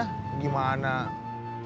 kalau ternyata ada hubungannya gimana